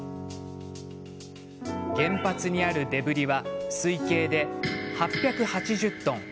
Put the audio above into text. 原発にあるデブリは推計で、８８０トン。